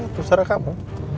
terus serah kamu